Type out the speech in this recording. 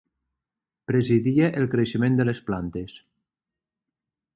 Presidia el creixement de les plantes.